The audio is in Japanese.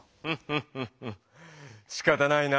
フッフッフッフしかたないな。